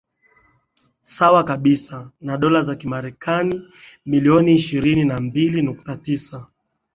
sawa kabisa na dola za kimarekani milioni ishirini na mbili nukta tisa